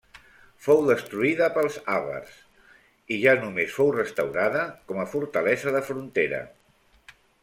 Fou destruïda pels àvars el i ja només fou restaurada com a fortalesa de frontera.